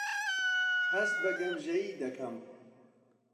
هەست بە گەمژەیی دەکەم.